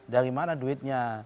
dari mana duitnya